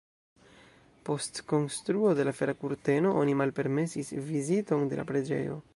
Post konstruo de Fera kurteno oni malpermesis viziton de la preĝejo.